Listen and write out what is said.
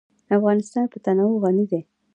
افغانستان په تنوع غني دی.